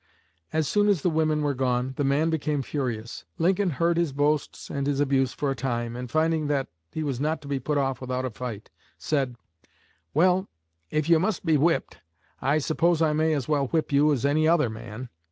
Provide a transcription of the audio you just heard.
As soon as the women were gone the man became furious. Lincoln heard his boasts and his abuse for a time, and finding that he was not to be put off without a fight, said, 'Well, if you must be whipped, I suppose I may as well whip you as any other man.'